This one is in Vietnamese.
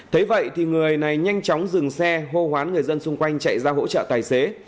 thế vậy thì người này nhanh chóng dừng xe hô hoán người dân xung quanh chạy ra hỗ trợ tài xế